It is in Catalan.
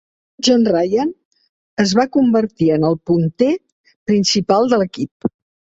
Jon Ryan es va convertir en el "punter" principal de l'equip.